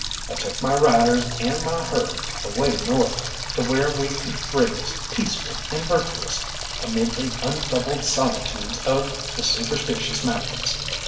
I took my riders and my herd away north, to where we could graze peaceful and virtuous amid the untroubled solitudes of the Superstitious Mountains.